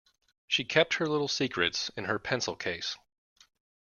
She kept her little secrets in her pencil case.